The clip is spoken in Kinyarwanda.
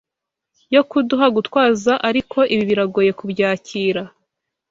yo kuduha gutwaza ariko ibi biragoye kubyakira